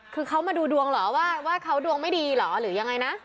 คือเขามาดูดวงเหรอว่าเขาดวงไม่ดีเหรอหรือยังไงนะ